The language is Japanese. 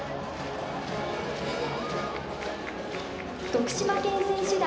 徳島県選手団。